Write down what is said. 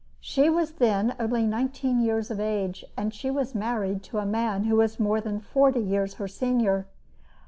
She was then only nineteen years of age, and she was married to a man who was more than forty years her senior.